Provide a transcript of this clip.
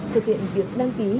thực hiện việc đăng ký